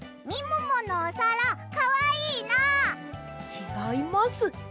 ちがいます。